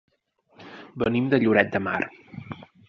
Venim de Lloret de Mar.